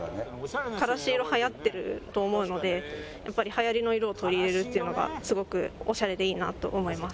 からし色はやってると思うのでやっぱりはやりの色を取り入れるっていうのがすごくオシャレでいいなと思います。